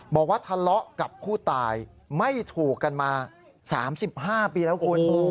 บอกว่าทะเลาะกับผู้ตายไม่ถูกกันมา๓๕ปีแล้วคุณ